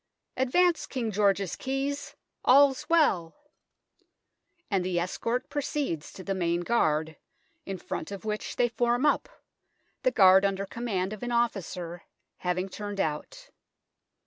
" Advance, King George's keys : all's well " and the escort proceeds to the Main Guard, in front of which they form up, the guaid under command of an officer, having turned out.